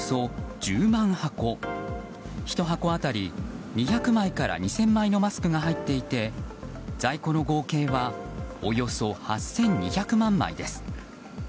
１箱辺り２００枚から２０００枚のマスクが入っていて在庫の合計はおよそ８２００万枚です。